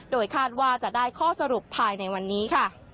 โดยคาดว่าจะได้ข้อสรุปภายในวันนี้ค่ะ